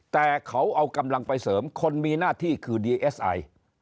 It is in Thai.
แต่เขาเอากำลังไปเสริมคนมีหน้าที่คือดีเอสไอ